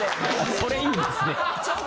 ・それいいですね